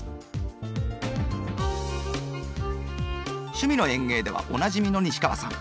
「趣味の園芸」ではおなじみの西川さん。